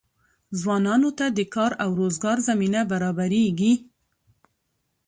ځوانانو ته د کار او روزګار زمینه برابریږي.